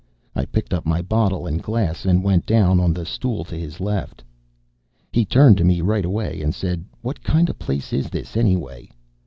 I picked up my bottle and glass and went down on the stool to his left. He turned to me right away and said: "What kind of a place is this, anyway?"